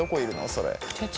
それ。